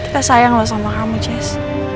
aku tak sayang sama kamu jess